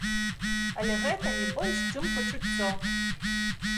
Але гэта не больш, чым пачуццё.